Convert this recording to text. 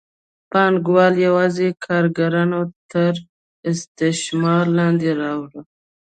پانګوال یوازې کارګران تر استثمار لاندې راولي.